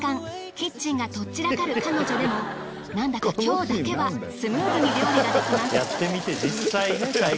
キッチンがとっ散らかる彼女でもなんだか今日だけはスムーズに料理ができます。